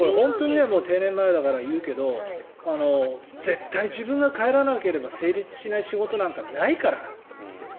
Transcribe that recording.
定年前だから言うけど絶対、自分が帰らなければ成立しない仕事なんかないから。